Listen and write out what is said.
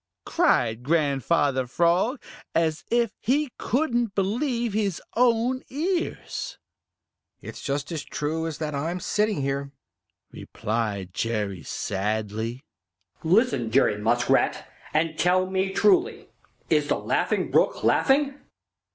cried Grandfather Frog, as if he couldn't believe his own ears. "It's just as true as that I'm sitting here," replied Jerry sadly. "Listen, Jerry Muskrat, and tell me truly; is the Laughing Brook laughing?"